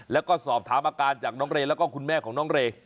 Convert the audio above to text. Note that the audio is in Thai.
แล้วก็สอบถามอาการจากน้องเรย์แล้วก็คุณแม่ของน้องเรย์